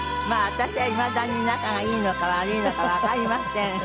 私はいまだに仲がいいのか悪いのかわかりません。